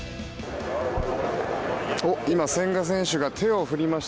今、千賀選手が手を振りました。